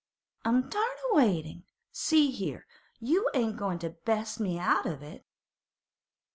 'I'm tired o' waitin'. See here; you ain't goin' to best me out of it?